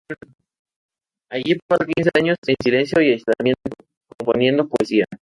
Allí pasó quince años en silencio y aislamiento y componiendo poesía.